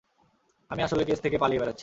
আমি আসলে কেস থেকে পালিয়ে বেড়াচ্ছি!